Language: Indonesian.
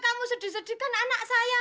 kamu sedih sedihkan anak saya